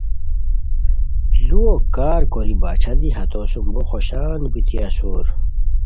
لوؤ کارکوری باچھا دی ہتو سوم بو خوشان بیتی اسور